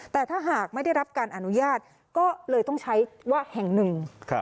แต่ถ้าหากไม่ได้รับการอนุญาตก็เลยต้องใช้ว่าแห่งหนึ่ง